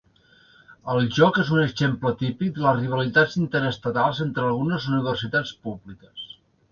El joc és un exemple típic de les rivalitats interestatals entre algunes universitats públiques.